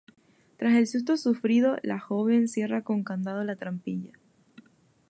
Tras el susto sufrido, la joven cierra con candado la trampilla.